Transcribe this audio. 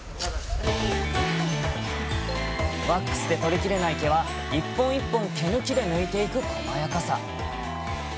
ワックスで取りきれない毛は一本一本毛抜きで抜いていくこまやかさ。